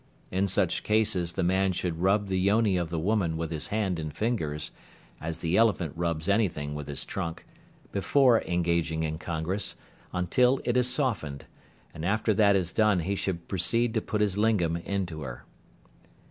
In such cases the man should rub the yoni of the woman with his hand and fingers (as the elephant rubs anything with his trunk) before engaging in congress, until it is softened, and after that is done he should proceed to put his lingam into her.